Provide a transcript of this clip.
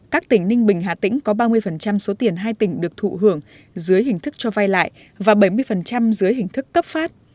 các tỉnh ninh bình hà tĩnh có ba mươi số tiền hai tỉnh được thụ hưởng dưới hình thức cho vay lại và bảy mươi dưới hình thức cấp phát